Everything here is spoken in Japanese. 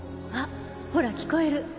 あっほら聞こえる。